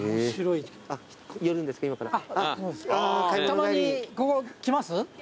たまにここ来ます？